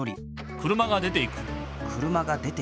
車が出ていく。